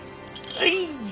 はい。